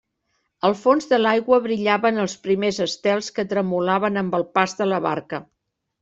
Al fons de l'aigua brillaven els primers estels que tremolaven amb el pas de la barca.